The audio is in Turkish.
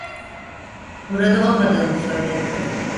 Burada olmadığımı söyle.